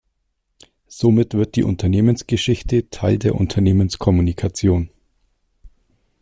Somit wird die Unternehmensgeschichte Teil der Unternehmenskommunikation.